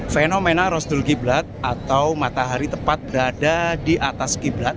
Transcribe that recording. fenomena rosdul qiblat atau matahari tepat berada di atas kiblat